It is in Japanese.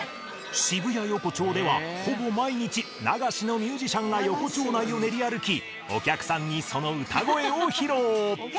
渋谷横丁ではほぼ毎日流しのミュージシャンが横丁内を練り歩きお客さんにその歌声を披露。